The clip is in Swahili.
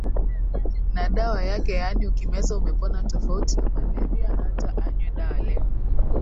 na dawa yake yaani ukimeza umepona tofauti na Malaria hata anywe dawa leo